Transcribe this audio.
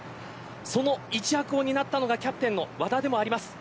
その一役を担ったのがキャプテンの和田でもあります。